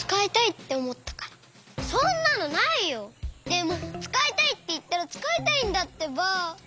でもつかいたいっていったらつかいたいんだってば！